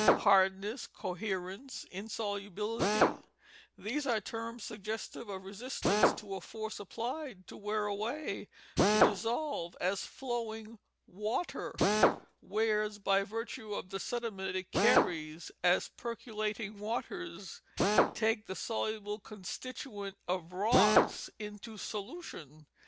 Hardness, coherence, insolubility, — these are terms suggestive of resistance to a force applied to wear away, to dissolve, as flowing water wears by virtue of the sediment it carries and as perco lating waters take the soluble constituent of rocks into solution.